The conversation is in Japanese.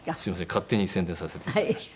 勝手に宣伝させて頂きました。